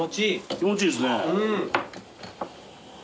気持ちいいですね。